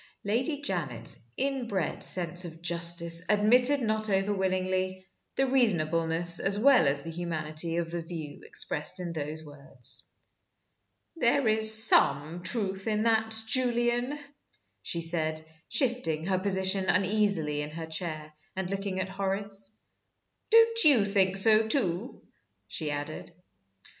Lady Janet's inbred sense of justice admitted not over willingly the reasonableness as well as the humanity of the view expressed in those words. "There is some truth in that, Julian," she said, shifting her position uneasily in her chair, and looking at Horace. "Don't you think so, too?" she added.